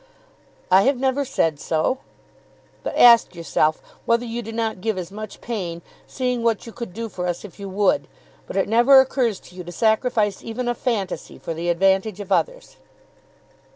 "I have never said so." "But ask yourself whether you do not give as much pain, seeing what you could do for us if you would. But it never occurs to you to sacrifice even a fantasy for the advantage of others."